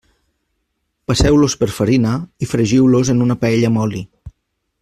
Passeu-los per farina i fregiu-los en una paella amb oli.